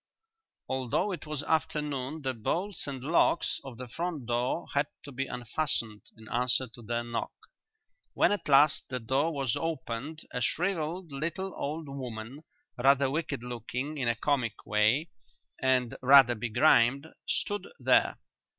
Although it was afternoon the bolts and locks of the front door had to be unfastened in answer to their knock. When at last the door was opened a shrivelled little old woman, rather wicked looking in a comic way, and rather begrimed, stood there.